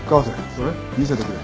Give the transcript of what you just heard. それ見せてくれ。